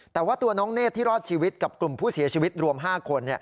แต่ว่าตัวน้องเนธที่รอดชีวิตกับกลุ่มผู้เสียชีวิตรวม๕คน